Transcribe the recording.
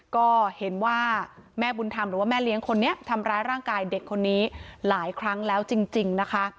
ก็เห็นว่าแม่บุญธรรมหรือว่าแม่เลี้ยงคนนี้ทำร้ายร่างกายเด็กคนนี้หลายครั้งแล้วจริงนะคะ